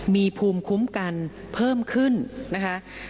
มีภูมิคุ้มกันเพิ่มขึ้นนะคะ